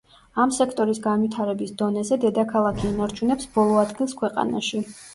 ამ სექტორის განვითარების დონეზე, დედაქალაქი ინარჩუნებს ბოლო ადგილს ქვეყანაში.